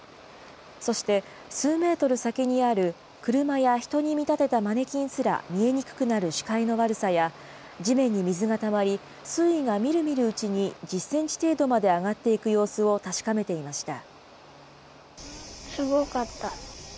そして、数メートル先にある車や人に見立てたマネキンすら見えにくくなる視界の悪さや、地面に水がたまり、水位がみるみるうちに１０センチ程度まで上がっていく様子を確かめていました。